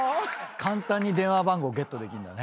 簡単に電話番号ゲットできんだね。